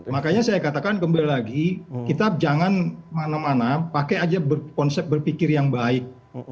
makanya saya katakan kembali lagi kita jangan mana mana pakai aja konsep berpikir yang baik